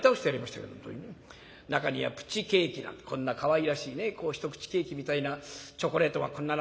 中にはプチケーキなんてこんなかわいらしいね一口ケーキみたいなチョコレートはこんな。